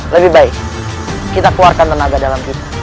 lebih baik kita keluarkan tenaga dalam kita